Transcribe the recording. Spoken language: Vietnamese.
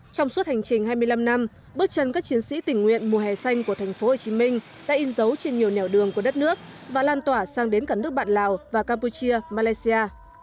trong suốt hành trình hai mươi năm năm bước chân các chiến sĩ tình nguyện mùa hè xanh của tp hcm đã in dấu trên nhiều nẻo đường của đất nước và lan tỏa sang đến cả nước bạn lào và campuchia malaysia